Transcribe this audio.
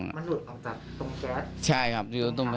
มันหลุดออกจากตรงแก๊ส